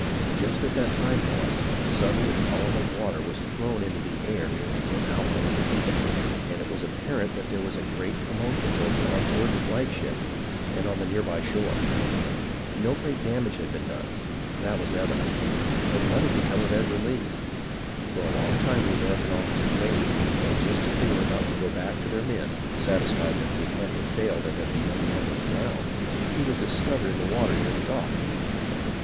Just at that time, however, suddenly a column of water was thrown into the air near the dim outline of the Eagle, and it was apparent that there was a great commotion both on board the flagship and on the near by shore. No great damage had been done, that was evident, but what had become of Ezra Lee .' For a long time the American officers waited, and just as they were about to go back to their men, satisfied that the attempt had failed and that the young man was drowned, he was discovered in the water near the dock.